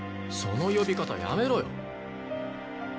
その呼び方やめろよ。